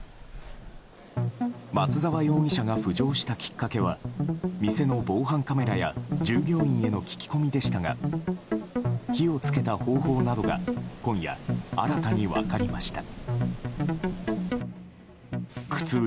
松沢容疑者が浮上したきっかけは店の防犯カメラや従業員への聞き込みでしたが火をつけた方法などが今夜、新たに分かりました。